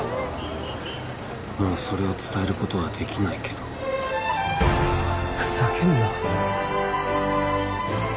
もうそれを伝えることはできないけどふざけんな